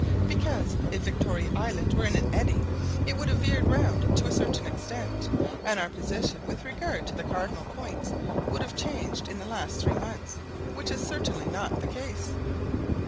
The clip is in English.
"Because if Victoria Island were in an eddy, it would have veered round to a certain extent, and our position with regard to the cardinal points would have changed in the last three months, which is certainly not the case."